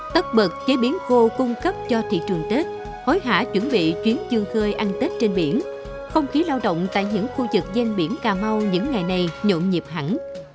tất bật chế biến khô cung cấp cho thị trường tết hối hả chuẩn bị chuyến dương khơi ăn tết trên biển không khí lao động tại những khu vực gian biển cà mau những ngày này nhộn nhịp hẳn